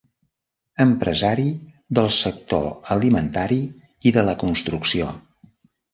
Empresari del sector alimentari i de la construcció.